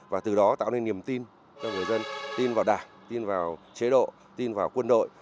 và từ đó tạo nên niềm tin cho người dân tin vào đảng tin vào chế độ tin vào quân đội